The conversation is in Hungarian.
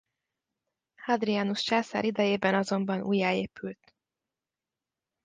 Hadrianus császár idejében azonban újjáépült.